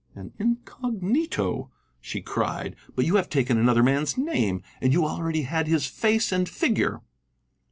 "An incognito!" she cried. "But you have taken another man's name. And you already had his face and figure!"